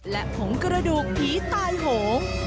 และผงกระดูกผีตายโหง